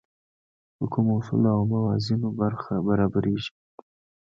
په کومو اصولو او موازینو برابرېږي.